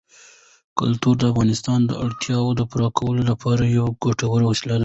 کلتور د افغانانو د اړتیاوو د پوره کولو لپاره یوه ګټوره وسیله ده.